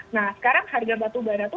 nah sekarang harga batubara itu